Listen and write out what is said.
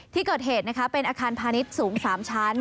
ที่เกิดเหตุนะคะเป็นอาคารพาณิชย์สูง๓ชั้น